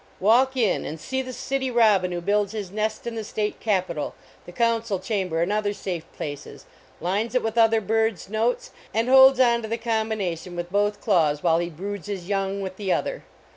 \Yalk in and see the City Robin, who builds his nest in the state capitol, the council cham ber and other safe places, lines it with other birds notes, and holds onto the combination with both claws while he broods his young with the other.